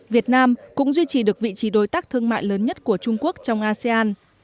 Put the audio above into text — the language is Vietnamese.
việt nam cũng duy trì được vị trí đối tác thương mại lớn nhất của trung quốc trong asean